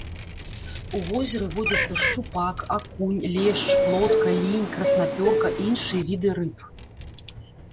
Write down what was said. У возеры водзяцца шчупак, акунь, лешч, плотка, лінь, краснапёрка і іншыя віды рыб.